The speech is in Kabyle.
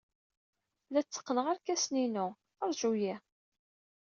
La tteqqneɣ arkas-inu. Ṛju-iyi!